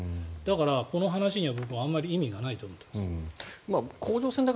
だからこの話には僕、あんまり意味がないと思っています。